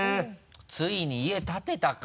ついに家建てたか。